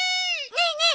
ねえねえ！